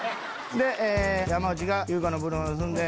山内が「優香のブルマー盗んで」